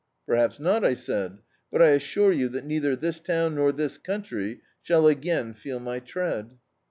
"Perhaps not," I said, "but I assure you, that neither this town, nor this coimtry, shall again feel my tread